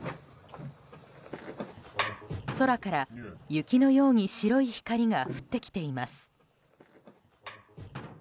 空から雪のように白い光が降ってきています。